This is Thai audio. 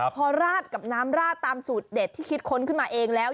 พอราดกับน้ำราดตามสูตรเด็ดที่คิดค้นขึ้นมาเองแล้ว